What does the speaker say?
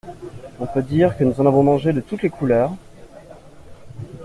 On peut dire que nous en avons mangé de toutes les couleurs.